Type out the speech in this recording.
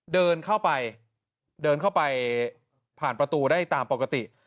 เดินเข้าไปผ่านประตูได้ตามปกติ